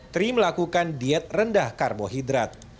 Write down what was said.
tri melakukan diet rendah karbohidrat